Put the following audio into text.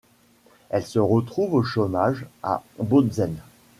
Elle se retrouve au chômage à Bautzen.